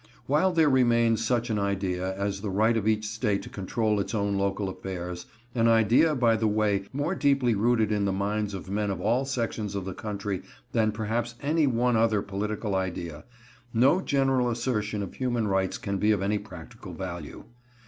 While there remains such an idea as the right of each State to control its own local affairs,—an idea, by the way, more deeply rooted in the minds of men of all sections of the country than perhaps any one other political idea,—no general assertion of human rights can be of any practical value.